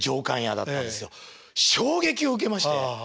衝撃を受けまして。